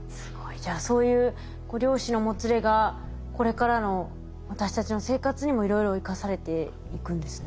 じゃあそういう量子のもつれがこれからの私たちの生活にもいろいろ生かされていくんですね。